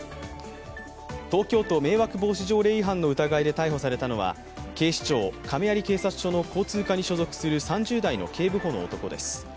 東京都迷惑防止条例違反の疑いで逮捕されたのは警視庁・亀有警察署の交通課に所属する３０代の警部補の男です。